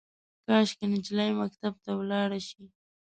کاشکي، نجلۍ مکتب ته ولاړه شي